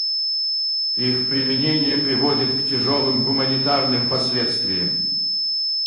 Их применение приводит к тяжелым гуманитарным последствиям.